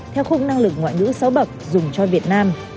theo khung năng lực ngoại ngữ sáu bậc dùng cho việt nam